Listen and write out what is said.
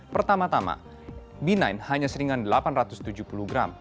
pertama tama b sembilan hanya seringan delapan ratus tujuh puluh gram